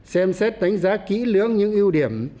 xem xét đánh giá kỹ lưỡng những ưu điểm